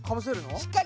しっかり？